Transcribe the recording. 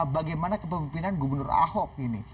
bagaimana kepemimpinan gubernur ahok ini